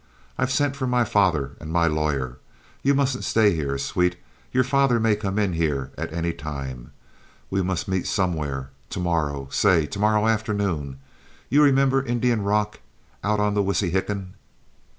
I've sent for my father and my lawyer. You mustn't stay here, sweet. Your father may come in here at any time. We must meet somewhere—to morrow, say—to morrow afternoon. You remember Indian Rock, out on the Wissahickon?"